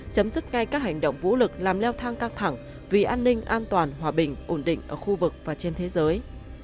chấm dứt ngay các hành động vũ lực làm leo thang căng thẳng vì an ninh an toàn hòa bình ổn định ở khu vực và trên thế giới